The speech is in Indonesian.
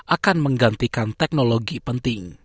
akan menggantikan teknologi penting